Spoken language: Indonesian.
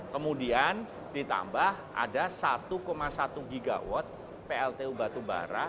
kemudian ditambah ada satu satu giga watt pltu batubara